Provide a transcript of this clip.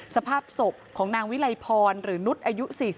สภาพศพของนางวิลัยพรหรือนุษย์อายุ๔๐